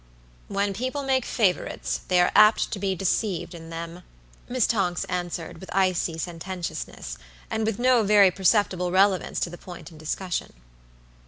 "When people make favorites, they are apt to be deceived in them," Miss Tonks answered, with icy sententiousness, and with no very perceptible relevance to the point in discussion.